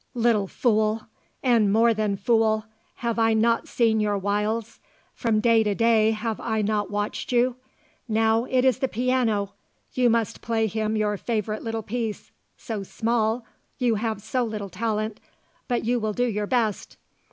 Little fool! And more than fool. Have I not seen your wiles? From day to day have I not watched you? Now it is the piano. You must play him your favourite little piece; so small; you have so little talent; but you will do your best.